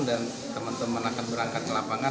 dan teman teman akan berangkat ke lapangan